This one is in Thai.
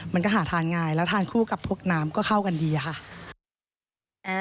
มันก็หาทานง่ายแล้วทานคู่กับพวกน้ำก็เข้ากันดีค่ะ